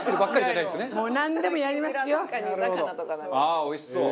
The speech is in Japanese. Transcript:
ああおいしそう！